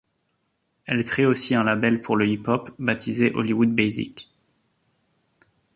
Elle crée aussi un label pour le hip-hop baptisé Hollywood Basic.